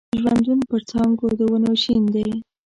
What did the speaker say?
ژوندون پر څانګو د ونو شین دی